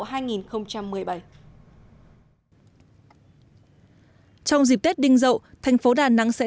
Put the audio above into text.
trong dịp tết đinh dậu tp hcm sẽ thăm tặng quà cho trên bốn mươi doanh nghiệp